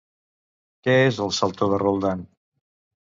Què és el Salto de Roldán?